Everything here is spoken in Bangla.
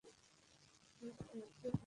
স্রেফ সাহায্যই করতে চাইছি।